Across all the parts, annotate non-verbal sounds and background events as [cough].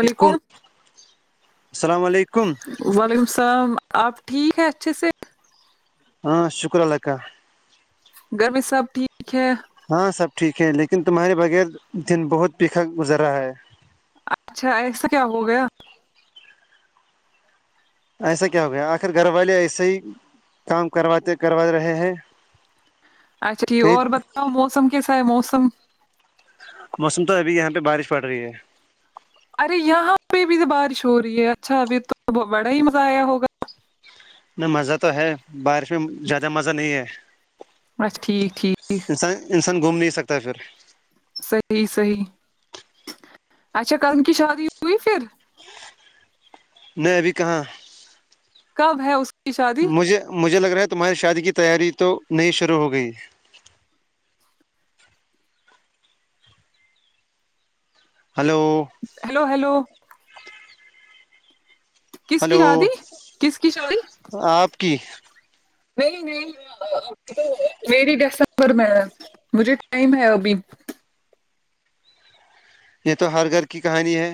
وعلیکم السلام علیکم وعلیکم السلام آپ ٹھیک ہے اچھے سے ہاں شکر اللہ کا گھر میں سب ٹھیک ہے ہاں سب ٹھیک ہے لیکن تمہارے بغیر دن بہت پھیکا گزر رہا ہے اچھا ایسا کیا ہو گیا ایسا کیا ہو گیا آخر گھر والے ایسے ہی کام کرواتے کروا رہے ہیں اچھا ٹھیک کہیں اور بتاؤ موسم کیسا ہے موسم موسم تو ابھی یہاں پہ بارش پڑ رہی ہے ارے یہاں پہ بھی تو بارش ہو رہی ہے اچھا ابھی تو بڑا ہی مزہ آیا ہوگا نہ مزہ تو ہے بارش میں زیادہ مزہ نہیں ہے ٹھیک ٹھیک انسان انسان گھوم نہیں سکتا ہے پھر صحیح صحیح اچھا کزن کی شادی ہوئی پھر نہیں ابھی کہاں کب ہے اس کی شادی مجھے مجھے لگ رہا ہے تمہاری شادی کی تیاری تو نہیں شروع ہو گئی ہلو ہیلو ہیلو کس کی ہلو شادی کس کی شادی آپ کی نہیں نہیں ابھی تو میری دسمبر میں ہے مجھے ٹائم ہے ابھی یہ تو ہر گھر کی کہانی ہے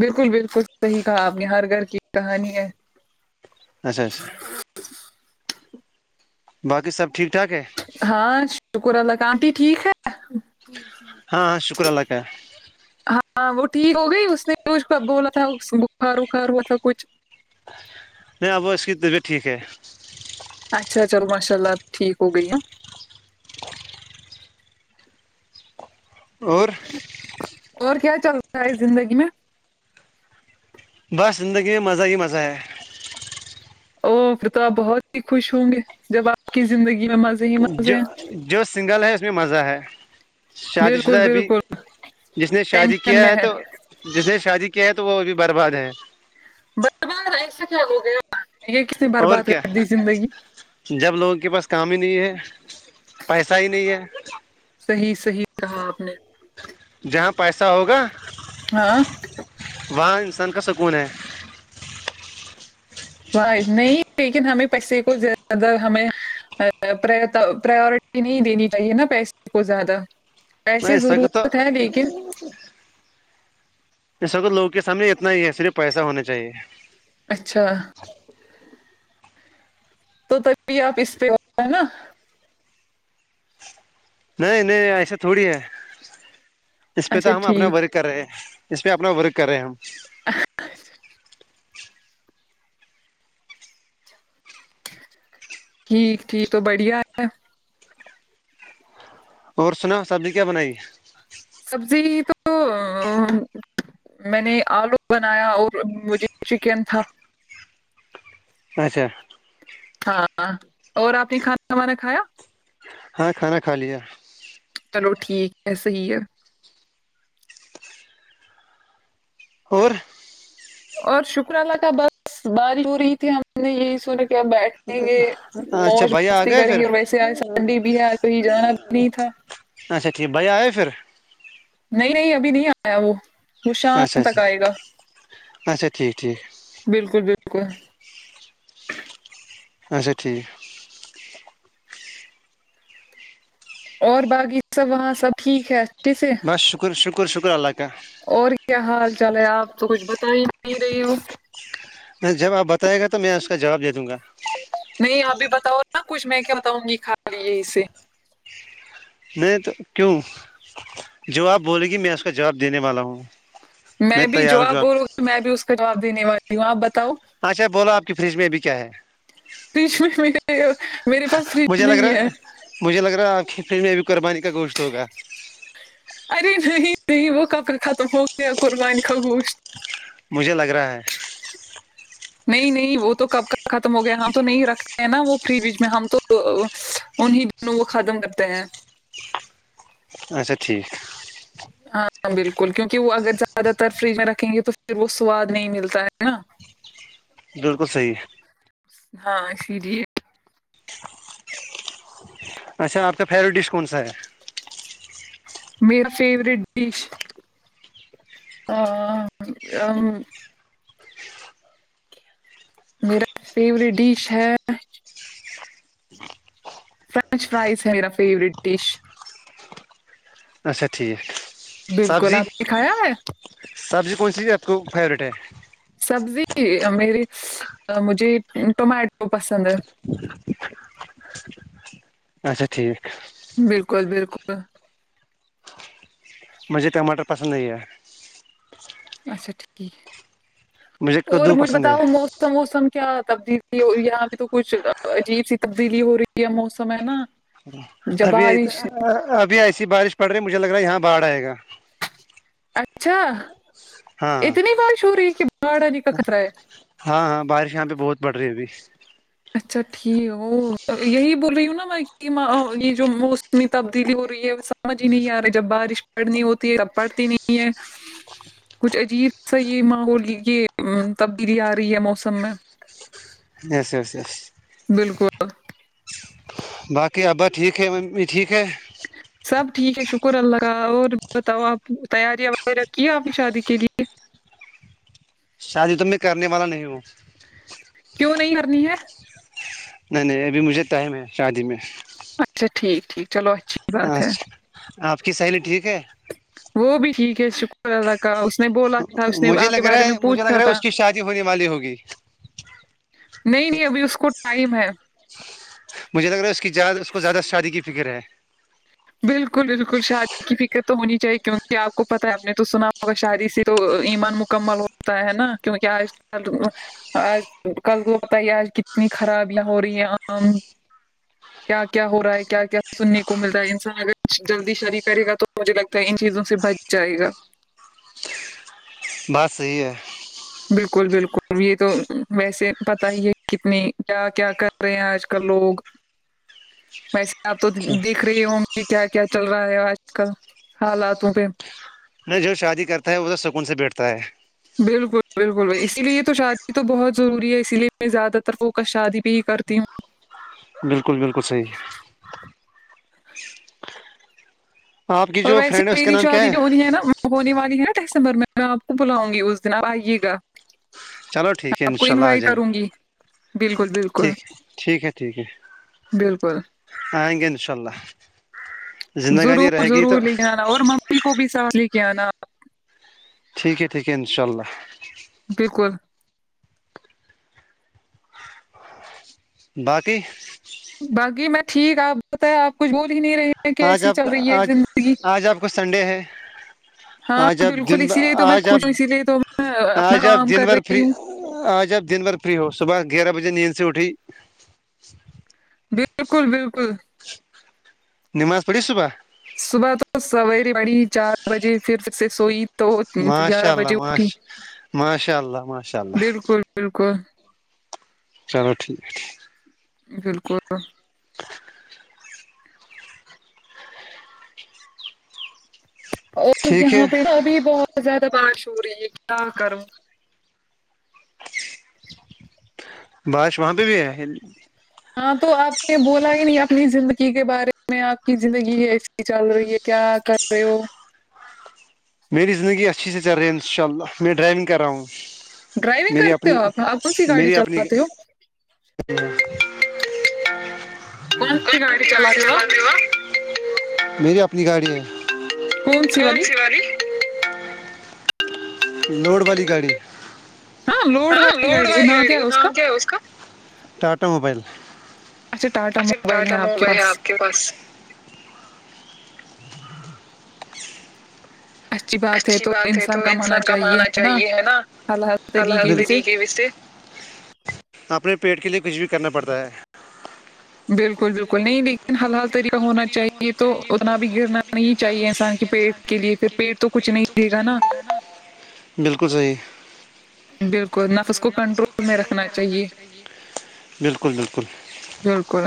بالکل بالکل صحیح کہا آپ نے ہر گھر کی کہانی ہے اچھا اچھا باقی سب ٹھیک ٹھاک ہے ہاں شکر اللہ کا انٹی ٹھیک ہے ہاں ہاں شکر اللہ کا ہاں ہاں وہ ٹھیک ہو گئی اس نے کچھ بولا تھا بخار وخار ہوا تھا کچھ نہیں اب اس کی طبیت ٹھیک ہے اچھا چلو ماشاء اللہ ٹھیک ہو گئی ہے اور اور کیا چل رہا ہے زندگی میں بس زندگی میں مزہ ہی مزہ ہے او پھر تو آپ بہت ہی خوش ہوں گے جب آپ کی زندگی میں مزہ جو جو سنگل ہے اس میں مزہ ہے شادی بالکل شدہ ابھی بالکل جس نے شادی ٹینشن کیا میں ہے تو جس نے شادی کیا ہے تو وہ ابھی برباد ہے برباد ایسا کیا ہو گیا یہ کس نے اور برباد کیا کر دی زندگی جب لوگوں کے پاس کام ہی نہیں ہے پیسہ ہی نہیں ہے صحیح صحیح کہا آپ نے جہاں پیسہ ہوگا ہاں وہاں انسان کا سکون ہے نہیں لیکن ہمیں پیسے کو زیادہ ہمیں پرورٹی نہیں دینی چاہیے نا پیسے کو زیادہ میں پیسے اس وقت تو ضرورت ہے لیکن اس وقت لوگوں کے سامنے اتنا ہی ہے صرف پیسہ ہونا چاہیے اچھا تو تبھی آپ اس پہ ہو ہیں نا نہیں نہیں ایسا تھوڑی ہے اس پہ اچھا تو ہم اپنا ٹھیک ورک کر رہے ہیں اس پہ اپنا ورک کر رہے ہیں ہم [unintelligible] ٹھیک ٹھیک تو بڑھیا اور سنا سبزی کیا بنائی سبزی تو میں نے آلو بنایا اور مجھے چکن تھا اچھا ہاں اور آپ نے کھانا وانا کھایا ہاں کھانا کھا لیا چلو ٹھیک ہے صحیح ہے اور اور شکرالا کا بس باری ہو رہی تھی ہم نے یہی سنے کہ بیٹھ یں گے اچھا موج بھیا آ مستی گئے کریں پھر گے اور ویسے آج سنڈے بھی ہے آج کہیں جانا بھی نہیں تھا اچھا ٹھیک ہے بھائی آئے پھر نہیں نہیں ابھی نہیں آیا وہ وہ اچھا شام تک اچھا آئے گا اچھا ٹھیک ٹھیک بالکل بالکل اچھا ٹھیک اور باقی سب وہاں سب ٹھیک ہے اچھے سے بس شکر شکر شکر اللہ کا اور کیا حال چال ہے آپ تو کچھ بتا ہی نہیں رہی ہو نہیں جب آپ بتائے گا تو میں اس کا جواب دے دوں گا نہیں ابھی بتاؤ نا کچھ میں کیا بتاؤں گی خال لی ہی سے نہیں تو کیوں جو آپ بولے گی میں اس کا جواب دینے والا ہوں میں بھی جواب بولو میں بھی اس کا جواب دینے والی ہوں آپ بتاؤ اچھا بولو آپ کی فریج میں ا بھیھی کیا ہے فریج میں م میرے پاس فریج مجھے لگ نہیں ہے رہا مجھے لگ رہا آ پ کے فرج میں ابھی قربانی کا گوشت ہوگا ارے نہیں نہیں وہ کپ ختم ہو گیا قربانی کا گوشت مجھے لگ رہا ہے نہیں نہیں وہ تو کب کب ختم ہو گیا ہم تو نہیں رکھتے ہیں نا وہ فریج میں ہم تو تو انہیں دنوں وہ ختم کرتے ہیں اچھا ٹھیک ہاں بالکل کیونکہ وہ اگر زیادہ تر فریج میں رکھیں گے تو پھر وہ سواد نہیں ملتا ہے نا بالکل صحیح ہے ہاں سری اچھا آپ کا فیوریٹ ڈش کون سا ہے میرا فیوروریٹ ڈش ہاں ہاں میرا فیورٹ ڈش ہے فرینچ فرائز ہے میرا فیوریٹ ڈش اچھا ٹھیک بالکل سبزی آپ نےکھایا ہے سبزی کون سی آپ کو فیوریٹ ہے سبزی میری مجھے ٹمیٹو پسند ہے اچھا ٹھیک بالکل بالکل مجھے ٹماٹر پسند نہیں ہے اچھا ٹھیک ہے مجھے اور کدو مجھے پسند ہے بتاؤ مو موسم موسم کیا تبدیلی ہوئی یہاں پہ تو کچھ عجیب سی تبدیلی ہو رہی ہے موسم میں ہے نا جب ابھی بارش ابھی ایسی بارش پڑ رہی مجھے لگ رہا ہے یہاں باڑھ آئے گا اچھا ہاں اتنی بارش ہو رہی کہ بھاڑ آنے کا خطرہ ہے ہاں ہاں بارش یہاں پہ بہت پڑ رہی ابھی اچھا ٹھیک ہے وہ یہی بول رہی ہوں نا میں کہ یہ جو موسٹ اتنی تبدیلی ہو رہی ہے سمجھ ہی نہیں آ رہی جب بارش پڑنی ہوتی ہے تب پڑتی نہیں ہے ہاں کچھ عجیب سا یہ ماحول یہ تبدیلی آ رہی ہے موسم میں یس یس یس بالکل باقی ابا ٹھیک ہے امی بھی ٹھیک ہے سب ٹھیک ہے شکر اللہ کا اور بتاؤ آپ تیاریاں وغیرہ کی آپ نے شادی کے لیے شادی تو میں کرنے والا نہیں ہوں کیوں نہیں کرنی ہے نہیں نہیں ابھی مجھے ٹائم ہے شادی میں اچا ٹھیک ٹھیک چلو اچھی بات ہے اچھا آپ کی سہیلی ٹھیک ہے وہ بھی ٹھیک ہے شکر اللہ کا اس اس نے بولا تھا اس نے مجھے آپ کے لگ بارے رہا میں ہے مجھے لگ پوچھا رہا ہے تھا اس کی شادی ہونے والی ہوگی نہیں نہیں ابھی اس کو ٹائم ہے مجھے لگ رہا ہے اس کی اس کو زیادہ شادی کی فکر ہے بالکل بالکل شادی کی فکر تو ہونی چاہیے کیونکہ آپ کو پتہ ہے آپ نے تو سنا ہوگا شادی سے تو ایمان مکمل ہوتا ہے نا کیونکہ آج کل آج کل کو پتہ ہی ہے آج کتنی خرابیاں ہو رہی ہے آم کیا کیا ہو رہا ہے کیا کیا سننے کو مل رہا ہے انسان اگر جلدی شدی کرے گا تو مجھے لگتا ہے ان چیزوں سے بچ جائے گا بات صحیح ہے بالکل بالکل یہ تو ویسے پتا ہی ہے کتنی کیا کیا کر رہے ہیں آج کل لوگ ہ پیس آپ تو دیکھ رہی ہوگے کیا کیا چل رہا ہے آج کل حالاتوں پہ جو شادی کرتا ہے وہ تو سکون سے بیٹھتا ہے بالکل بالکل بھائی اسی لیے تو شادی تو بہت ضروری ہے اسی لیے میں زیادہ تر فوکس شادی پہ ہی کرتی ہوں بالکل بالکل صحیح آپ کی اور جو ویسے فرینڈ ہے اس کا میری نام کیا شادی جو ہو رہی ہے نا ہونے والی ہے نا ڈسمبر میں آپ کو بلاؤں گی اس دن آپ آئیے گا چلو ٹھیک ہے آپ ان کو شاء اللہ آ انوائٹ جائیں کروں گی بالکل بالکل گے ٹھیک ہے ٹھیک ہے ٹھیک ہے بالکل ائیں گے انشاء اللہ زندگانی ضرور رہے گی تو ضرور لے کے آنا اور ممی کو بھی ساتھ لے کے آنا ٹھیک ہے ٹھیک ہے ان شاء اللہ بالکل باقی باقی میں ٹھیک آپ بتائیے آپ کچھ بول ہی نہیں رہے ہیں آج کیسی آپ چل کا رہی ہے آج زندگی آج آپ کو سنڈے ہے ہاں آج آپ بالکل دن اسی لیے تو میں آج آپ خوش ہوں اسی لیے تو میں اپنا آج آپ کام دن کر بھر رہی فری ہوں آج آپ دن بھر فری ہو صبح گیارہ بجے نیند سے اٹھی بالکل بالکل نماز پڑھی صبح صبح تو سویرے پڑھی چار بجے پھر سے سوئی تو ماشاء گیارہ اللہ بجے اٹھی ماش ماشاء اللہ ماشاء اللہ بالکل بالکل چلو ٹھیک ہے ٹھیک ہے بالکل اور ٹھیک یہاں ہے پہ نا ابھی بہت زیادہ بارش ہو رہی ہے کیا کروں بارش وہاں پہ بھی ہے ہاں تو آپ نے بولا ہی نہیں اپنی زندگی کے بارے میں آپ کی زندگی چل رہی ہے کیا کر رہے ہو میری زندگی اچھی سے چل رہی ہے ان شاء اللہ میں ڈرائیونگ کر رہا ہوں ڈرائیونگ میری کرتے اپنی ہو آپ آپ کون سی گاڑی میری اپنی چلاتے ہو کون سی گاڑی چلا رہے ہو آپ میری اپنی گاڑی ہے کون سی والی لوڈ والی گاڑی ہاں لوڈ والی گاڑی وہ نام کیا ہے اس کا ٹاٹا موبائل اچھا ٹاٹا موبائل ہے آپ کے پاس کے بس اچھی بات ہے تو انسان کمانا چاہیے ہے نا حلال حل سے طریقے سے اپنے پیٹ کے لئے کچھ بھی کرنا پڑتا ہے بالکل بالکل نہیں لیکن حلال طریقہ ہونا چاہیے تو اتنا بھی گرنا نہیں چاہیے انسان بالکل صحیح بالکل نفس کو کنٹرول میں رکھنا چاہیے بالکل بالکل بالکل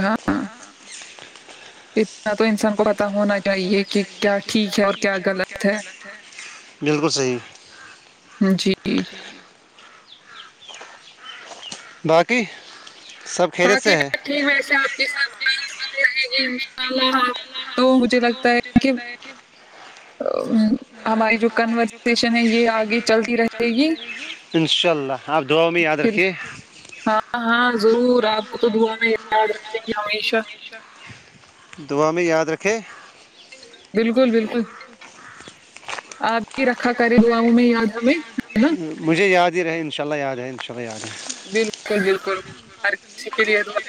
ایک اتنا تو انسان کو پتہ ہونا چاہیے کہ کیا ٹھیک ہے اور کیا غلط ہے بالکل صحیح جی باقی سب خیریت باقی سے ہے بس ویسے آپ کی سات بات ہوتی رہے گی انشاء اللہ آپ تو مجھے لگتا ہے کہ ہ ہماری جو کنورسشن ہے یہ آگے چلتی رہے گی انشاء اللہ آپ دعاؤں میں یاد پھر رکھیے ہاں ہاں ضرور آپ کو تو دعاؤں میں یاد رکھیں گے ہمیشہ دعا میں یاد رکھے بالکل بالکل آپ بھی رکھا کرے دعاؤں میں یاد ہمیں نا مجھے یاد ہی رہے انشاء اللہ یاد ہے انشاء اللہ یاد ہے بالکل بالکل ہر کسی کے لیے دعا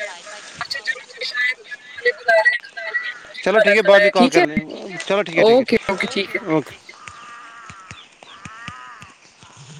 اچھا چلو شاید گھر والے بلا رہے ہیں کھانے کے لیے مجھے چلو کھانا ٹھیک ہے بعد میں کھلایا کال ٹھیک ہے کریں گے چلو ٹھیک ہے ٹھیک ہے ٹھیک ہے اوکے